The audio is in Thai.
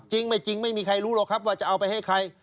จริงไม่จริงไม่มีใครรู้หรอกครับว่าจะเอาไปให้ใคร